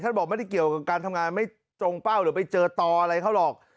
บอกไม่ได้เกี่ยวกับการทำงานไม่ตรงเป้าหรือไปเจอต่ออะไรเขาหรอก